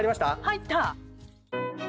入った！